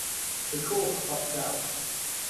The cork popped out.